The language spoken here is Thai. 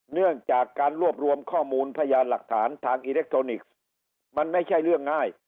เนื่องจากการรวบรวมข้อมูลพยานหลักฐานทางอิเล็กทรอนิกส์มันไม่ใช่เรื่องง่าย